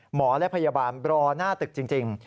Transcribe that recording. หมอและพยาบาลรอหน้าตึกจริง